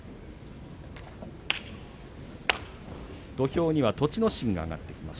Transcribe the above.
土俵には栃ノ心が上がっています。